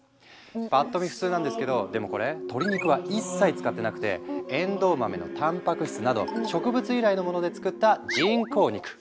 パッと見普通なんですけどでもこれ鶏肉は一切使ってなくてえんどう豆のたんぱく質など植物由来のもので作った人工肉。